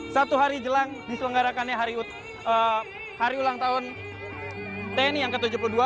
satu hari jelang diselenggarakannya hari ulang tahun tni yang ke tujuh puluh dua